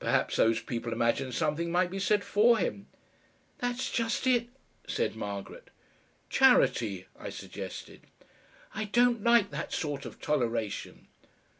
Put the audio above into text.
"Perhaps these people imagine something might be said for him." "That's just it," said Margaret. "Charity," I suggested. "I don't like that sort of toleration."